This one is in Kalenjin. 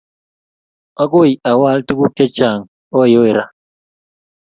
Agoi awaal tuguk chechang oyoe raa